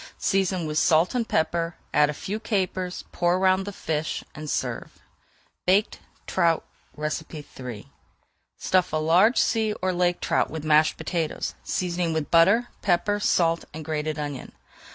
Season with salt and pepper, add a few capers, pour around the fish, and serve. BAKED TROUT III Stuff a large sea or lake trout with mashed potatoes, seasoning with butter, pepper, salt, and grated onion.